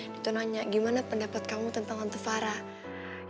dia tuh nanya gimana pendapat kamu tentang tante farah